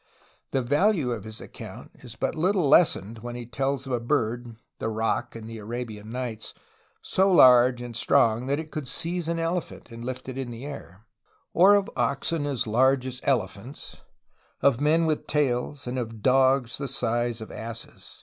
The value of his account is but little lessened when he tells of a bird (the roc of the Arabian nights) so large and strong that it could seize an elephant and lift it in the air, of oxen as large as elephants, of men 26 A HISTORY OF CALIFORNIA with tails, and of dogs the size of asses.